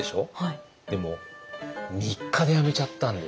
でも３日で辞めちゃったんですよ。